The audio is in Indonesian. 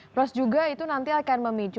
plus juga itu nanti akan memicu